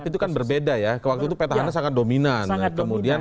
itu kan berbeda ya waktu itu petahana sangat dominan